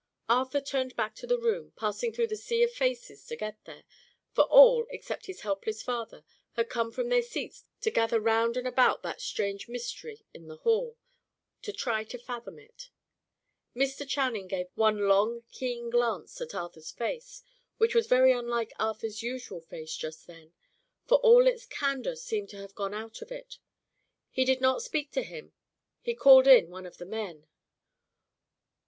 Arthur turned back to the room, passing through the sea of faces to get there; for all; except his helpless father, had come from their seats to gather round and about that strange mystery in the hall, to try to fathom it. Mr. Channing gave one long, keen glance at Arthur's face which was very unlike Arthur's usual face just then; for all its candour seemed to have gone out of it. He did not speak to him; he called in one of the men.